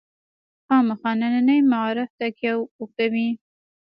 خامخا ننني معارف تکیه وکوي.